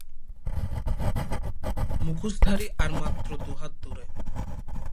মুখোশধারী আর মাত্র দুহাত দূরে।